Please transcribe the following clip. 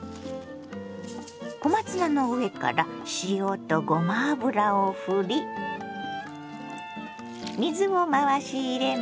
小松菜の上から塩とごま油をふり水を回し入れます。